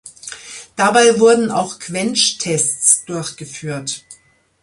Dabei wurden auch Quench-Tests durchgeführt.